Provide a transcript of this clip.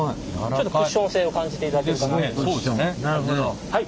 ちょっとクッション性を感じていただけるかなと。